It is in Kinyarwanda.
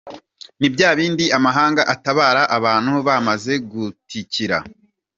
Ni bya bindi amahanga atabara abantu bamaze gutikira.